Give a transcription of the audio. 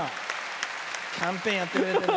キャンペーンやってくれてる。